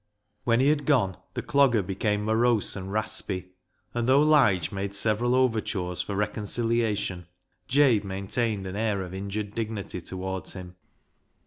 When he had gone the Clogger became morose and raspy, and though Lige made several overtures for reconciliation, Jabe maintained an air of injured dignity towards him.